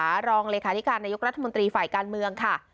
รองเลขาธิการนายกรัฐมนตรีฝ่ายการเมืองค่ะ